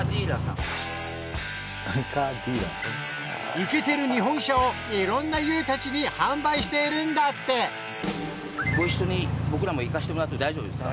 イケてる日本車をいろんなＹＯＵたちに販売しているんだってご一緒に僕らも行かせてもらって大丈夫ですか？